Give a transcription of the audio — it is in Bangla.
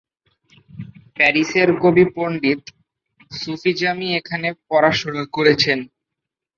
পারস্যের কবি, পণ্ডিত, সুফি জামি এখানে পড়াশোনা করেছেন।